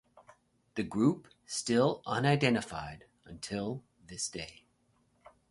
The group still unidentified until this day.